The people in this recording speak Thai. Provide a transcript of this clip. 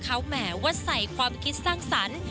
เขาแหมว่าใส่ความคิดสร้างสรรค์